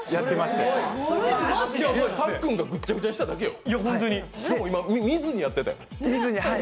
しかも今、見ずにやってたよ。